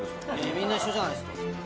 みんな一緒じゃないですか。